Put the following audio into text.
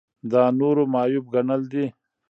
دا نورو معیوب ګڼل دي.